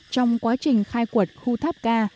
trong quá trình khai quật khu tháp k